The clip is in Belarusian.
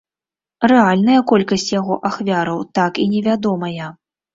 Рэальная колькасць яго ахвяраў так і невядомая.